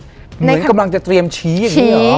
เหมือนกำลังจะเตรียมชี้อย่างนี้หรอ